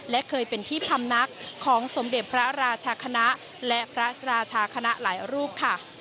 และเคยเป็นที่พำนักของสมเด็จพระราชคณะและพระราชาคณะหลายรูปค่ะ